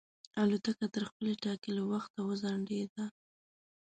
الوتکه تر خپل ټاکلي وخت وځنډېده.